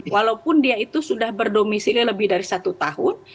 walaupun dia itu sudah berdomisili lebih dari satu tahun